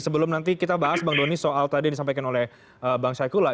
sebelum nanti kita bahas bang doni soal tadi yang disampaikan oleh bang syaiqula